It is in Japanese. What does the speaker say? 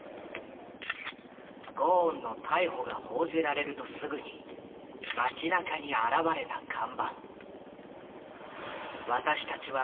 ゴーンの逮捕が報じられるとすぐに街なかに現れた看板。